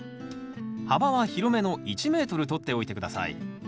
幅は広めの１ｍとっておいて下さい。